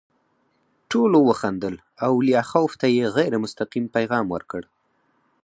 ټولو وخندل او لیاخوف ته یې غیر مستقیم پیغام ورکړ